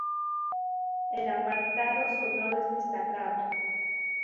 El apartado sonoro es destacable.